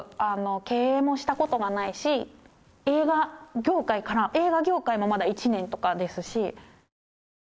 経営もしたことがないし映画業界から映画業界もまだ１年とかですし。